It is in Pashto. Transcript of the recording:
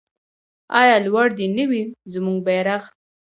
آیا لوړ دې نه وي زموږ بیرغ؟